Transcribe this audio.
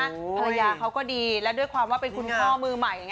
ภรรยาเขาก็ดีและด้วยความว่าเป็นคุณพ่อมือใหม่